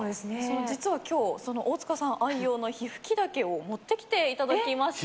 実は今日大塚さん愛用の火吹き竹を持ってきていただきました。